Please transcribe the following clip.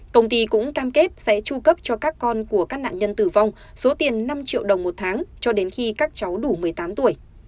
công ty cũng cam kết sẽ tru cấp cho các con của các nạn nhân tử vong số tiền năm triệu đồng một tháng cho đến khi các cháu đủ một mươi tám tuổi